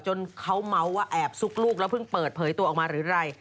จนเขาเมาส์ว่าแอบซุกลูกแล้วเพิ่งเปิดเผยตัวออกมาหรือไร